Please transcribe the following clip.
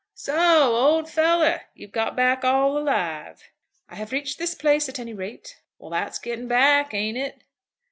"So, old fellow, you've got back all alive." "I have reached this place at any rate." "Well; that's getting back, ain't it?"